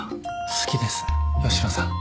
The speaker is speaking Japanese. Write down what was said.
好きです吉野さん。